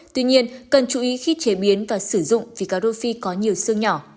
tuy nhiên cần chú ý khi chế biến và sử dụng vì cà rô phi có nhiều xương nhỏ